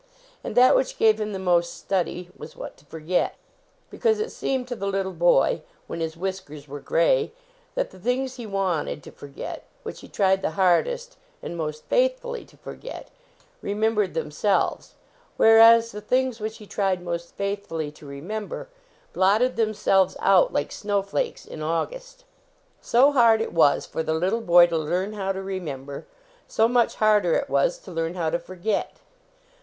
And that which gave him the most study was what to forget. Because it seemed to the little boy, when his whiskers were gray, that the things he wanted to for get, which he tried the hardest and most 121 LEARNING TO LEARN faithfully to forget, remembered themselves ; whereas the things which he tried most faith fully to remember blotted themselves out like snowflakes in August. So hard it was for the little boy to learn how to remember; so much harder it was to learn how to forget.